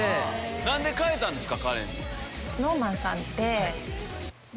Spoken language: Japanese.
何で変えたんですか？